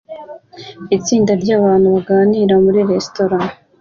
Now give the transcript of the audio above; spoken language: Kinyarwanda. Itsinda ryabantu baganira muri resitora